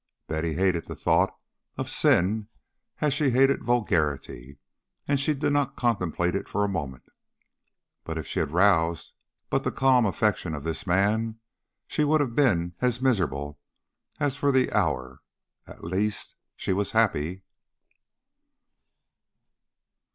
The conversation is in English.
Betty hated the thought of sin as she hated vulgarity, and did not contemplate it for a moment, but if she had roused but the calm affection of this man she would have been as miserable as for the hour, at least, she was happy.